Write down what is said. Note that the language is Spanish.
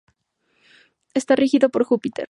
Está regido por Júpiter.